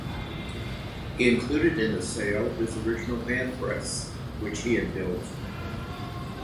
He included in the sale his original hand press which he had built.